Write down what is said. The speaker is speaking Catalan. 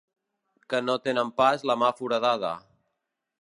Que no tenen pas la mà foradada.